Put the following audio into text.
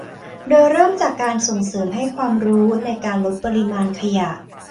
โดยเริ่มจากการส่งเสริมให้ความรู้ในการลดปริมาณขยะ